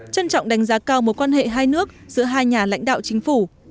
trân trọng đánh giá cao mối quan hệ hai nước giữa hai nhà lãnh đạo chính phủ